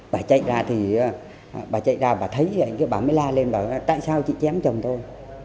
bà chạy ra thì bà chạy ra bà thấy anh kia bà mới la lên bà nói tại sao chị chém chồng tôi